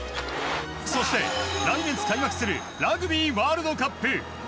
そして、来月開幕するラグビーワールドカップ。